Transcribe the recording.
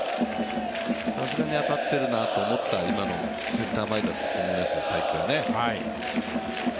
さすがに当たっているなと思った、今のセンター前だったと思いますよ、才木は。